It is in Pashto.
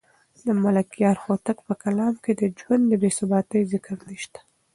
د ملکیار هوتک په کلام کې د ژوند د بې ثباتۍ ذکر نشته.